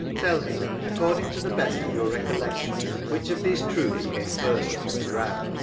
Tell me, according to the best of your recollec tion, which of these troops came first upon the ground?